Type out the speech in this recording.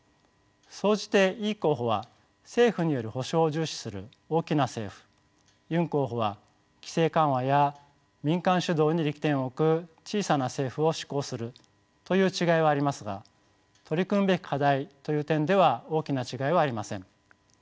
総じてイ候補は政府による保障を重視する大きな政府ユン候補は規制緩和や民間主導に力点を置く小さな政府を志向するという違いはありますが取り組むべき課題という点では大きな違いはありません。